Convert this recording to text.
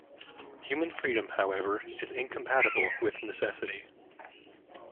Human freedom, however, is incompatible with necessity.